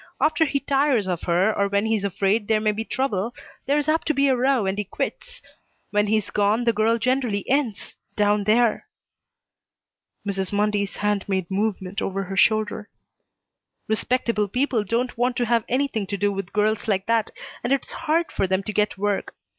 After he tires of her, or when he's afraid there may be trouble, there's apt to be a row and he quits. When he's gone the girl generally ends down there." Mrs. Mundy's hand made movement over her shoulder. "Respectable people don't want to have anything to do with girls like that, and it's hard for them to get work.